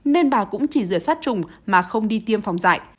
nên bà cũng chỉ rửa sát trùng mà không đi tiêm phòng dạy